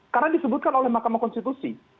karena disebutkan oleh mahkamah konstitusi